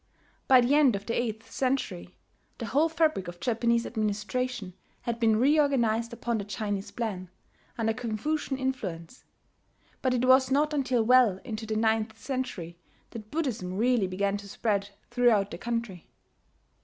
By the end of the eighth century the whole fabric of Japanese administration had been reorganized upon the Chinese plan, under Confucian influence; but it was not until well into the ninth century that Buddhism really began to spread throughout the country.